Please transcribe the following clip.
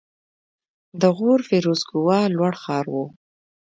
د غور فیروزکوه لوړ ښار و